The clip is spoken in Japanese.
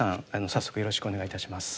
早速よろしくお願いいたします。